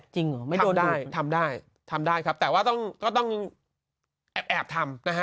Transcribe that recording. จริงเหรอไม่ทำได้ทำได้ทำได้ครับแต่ว่าต้องก็ต้องแอบทำนะฮะ